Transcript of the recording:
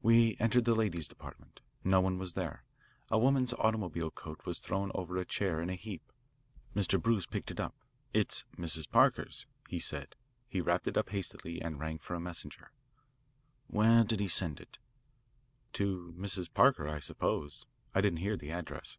"We entered the ladies' department. No one was there. A woman's automobile coat was thrown over a chair in a heap. Mr. Bruce picked it up. 'It's Mrs. Parker's,' he said. He wrapped it up hastily, and rang for a messenger." "Where did he send it?" "To Mrs. Parker, I suppose. I didn't hear the address."